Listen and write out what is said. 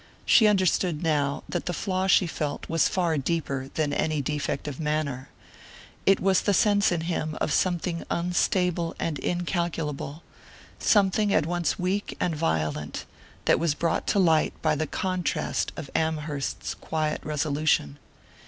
She understood now that the flaw she felt was far deeper than any defect of manner. It was the sense in him of something unstable and incalculable, something at once weak and violent, that was brought to light by the contrast of Amherst's quiet resolution.